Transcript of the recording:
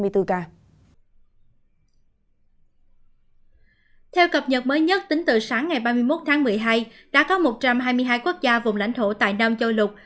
theo cập nhật mới nhất tính từ sáng ngày ba mươi một tháng một mươi hai đã có một trăm hai mươi hai quốc gia vùng lãnh thổ tại nam châu lục